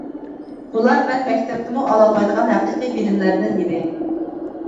بۇلار مەن مەكتەپتىمۇ ئالالمايدىغان ھەقىقىي بىلىملەردىن ئىدى.